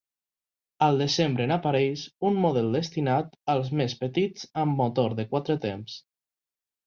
Al desembre n'apareix un model destinat als més petits amb motor de quatre temps.